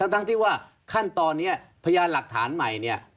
ทั้งที่ว่าขั้นตอนนี้พยานหลักฐานใหม่เนี่ย